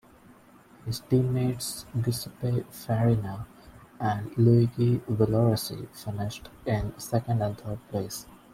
His teammates Giuseppe Farina and Luigi Villoresi finished in second and third places.